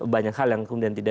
banyak hal yang kemudian tidak